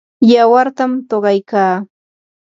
yawartam tuqaykaa.